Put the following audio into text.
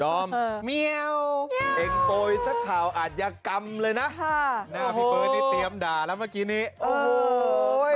อมเมียวเองโปรยสักข่าวอาจยากรรมเลยนะค่ะหน้าพี่เบิร์ตนี่เตรียมด่าแล้วเมื่อกี้นี้โอ้โห